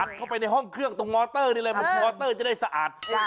อัดเข้าไปในห้องเครื่องตรงนอเตอร์เลยจะได้สะอาด